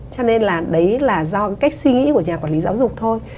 cho nên là đấy là do cách suy nghĩ của nhà quản lý giáo dục thôi